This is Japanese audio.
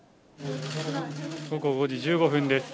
午後５時１５分です。